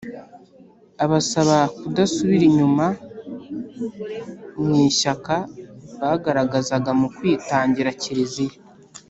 abasaba kudasubira inyuma mu ishyaka bagaragaza mu kwitangira kiliziya